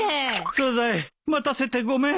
サザエ待たせてごめん。